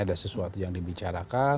ada sesuatu yang dibicarakan